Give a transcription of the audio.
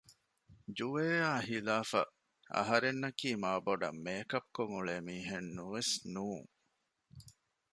ޖުވޭއާ ހިލާފަށް އަހަރެންނަކީ މާބޮޑަށް މޭކަޕް ކޮށް އުޅޭ މީހެއް ނުވެސް ނޫން